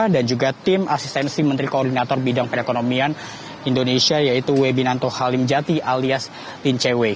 dan juga tim asistensi menteri koordinator bidang perekonomian indonesia yaitu webinanto halimjati alias lincewe